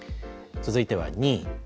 続いては２位。